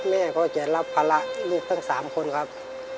แม่ก็จะรับภาระลูกทั้ง๓คนครับ